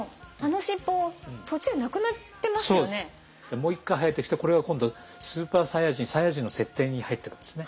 もう一回生えてきてこれが今度超サイヤ人サイヤ人の設定に入ってくんですね。